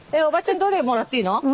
おばちゃんどれもらっていいの？